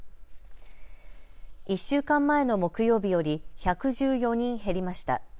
１週間前の木曜日より１１４人減りました。